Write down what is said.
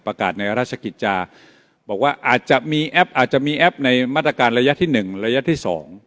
ในราชกิจจาบอกว่าอาจจะมีแอปอาจจะมีแอปในมาตรการระยะที่๑ระยะที่๒